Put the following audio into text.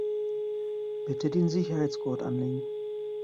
Bitte den Sicherheitsgurt anlegen.